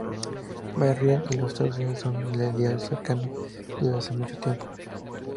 Bahrein y los Estados Unidos son aliados cercanos desde hace mucho tiempo.